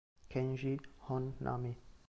Kenji Hon'nami